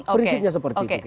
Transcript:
prinsipnya seperti itu